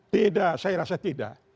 tidak saya rasa tidak